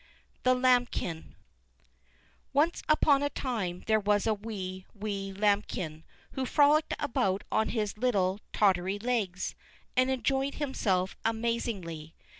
The Lambikin Once upon a time there was a wee, wee Lambikin, who frolicked about on his little tottery legs, and enjoyed himself amazingly.